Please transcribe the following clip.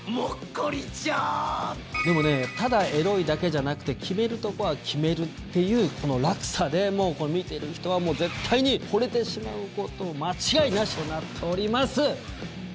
でもねただエロいだけじゃなくて決めるとこは決めるっていうこの落差で見ている人は、もう絶対にほれてしまうこと間違いなしとなっております。